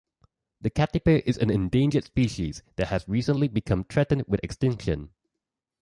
The katipo is an endangered species and has recently become threatened with extinction.